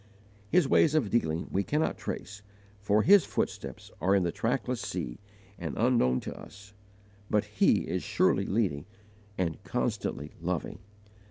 His ways of dealing we cannot trace, for His footsteps are in the trackless sea, and unknown to us. But HE IS SURELY LEADING, and CONSTANTLY LOVING.